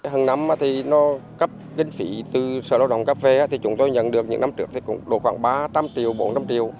hằng năm thì nó cấp kinh phí từ sở lao động cấp về thì chúng tôi nhận được những năm trước thì cũng đổ khoảng ba trăm linh triệu bốn trăm linh triệu